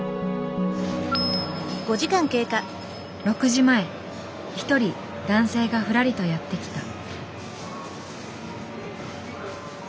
６時前一人男性がふらりとやって来た。